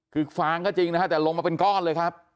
คือฟางก็จริงนะฮะแต่ลงมาเป็นก้อนเลยครับ